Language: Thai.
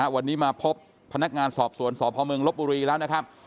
วันนี้มาพบพนักงานสอบสวนสพเมืองลบบุรีแล้วนะครับ